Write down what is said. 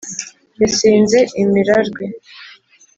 yasinze imirarwe